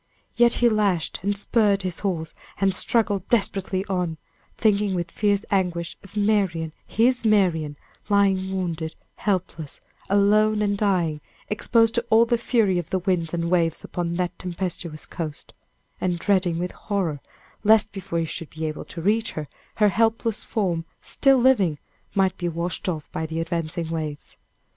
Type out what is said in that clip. Yet he lashed and spurred his horse, and struggled desperately on, thinking with fierce anguish of Marian, his Marian, lying wounded, helpless, alone and dying, exposed to all the fury of the winds and waves upon that tempestuous coast, and dreading with horror, lest before he should be able to reach her, her helpless form, still living, might be washed off by the advancing waves.